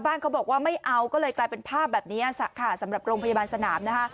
เขาบอกว่าไม่เอาก็เลยกลายเป็นภาพแบบนี้ค่ะสำหรับโรงพยาบาลสนามนะคะ